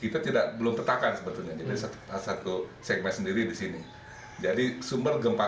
kita tahu bahwa pergerakan palu koro ini dia mendatar